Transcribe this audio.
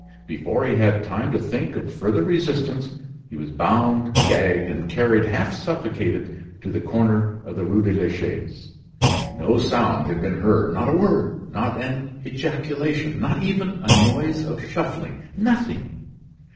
Before he had time to think of further resistance he was bound, gagged, and carried, half suffocated, to the corner of the Rue de la Chaise. No sound had been heard; not a word, not an ejaculation, not even a noise of shuffling nothing.